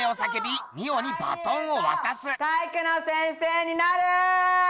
俳優と体育の先生になる！